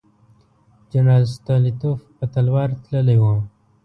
جنرال ستولیتوف په تلوار تللی وو.